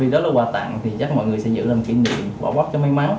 vì đó là quà tặng thì chắc mọi người sẽ giữ làm kỷ niệm quả quát cho may mắn